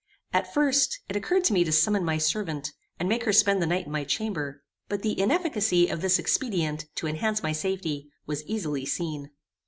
At first, it occurred to me to summon my servant, and make her spend the night in my chamber; but the inefficacy of this expedient to enhance my safety was easily seen.